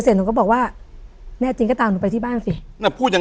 หนูก็บอกว่าแน่จริงก็ตามหนูไปที่บ้านสิน่ะพูดอย่าง